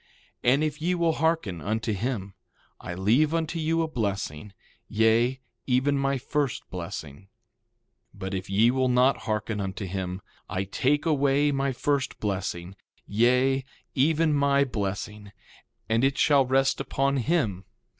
And if ye will hearken unto him I leave unto you a blessing, yea, even my first blessing. 1:29 But if ye will not hearken unto him I take away my first blessing, yea, even my blessing, and it shall rest upon him.